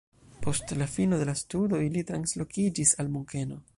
Post la fino de la studoj li translokiĝis al Munkeno.